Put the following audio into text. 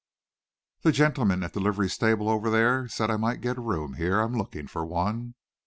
"The gentleman at the livery stable over there said I might get a room here. I'm looking for one."